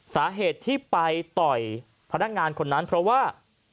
สาเหตุที่ไปต่อยพนักงานคนนั้นเพราะว่า